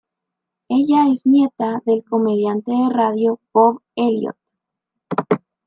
Ella es nieta del comediante de radio Bob Elliott.